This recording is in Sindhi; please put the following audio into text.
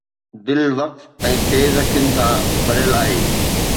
دل وقف ۽ تيز اکين سان ڀريل آهي